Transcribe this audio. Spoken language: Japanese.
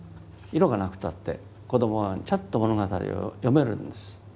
色がなくたって子どもはちゃんと物語を読めるんです。